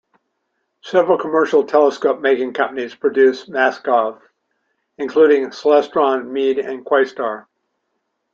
Several commercial telescope-making companies produce Maksutovs, including Celestron, Meade, and Questar.